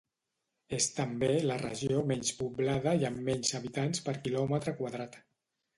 És també la regió menys poblada i amb menys habitants per quilòmetre quadrat.